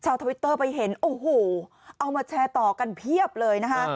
ทวิตเตอร์ไปเห็นโอ้โหเอามาแชร์ต่อกันเพียบเลยนะคะ